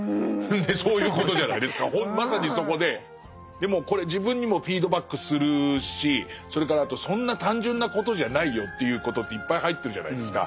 でもこれ自分にもフィードバックするしそれからあとそんな単純なことじゃないよっていうことっていっぱい入ってるじゃないですか。